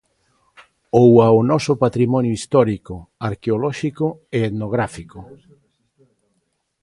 Ou ao noso patrimonio histórico, arqueolóxico e etnográfico.